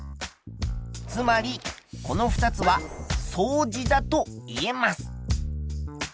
つまりこの２つは相似だといえます。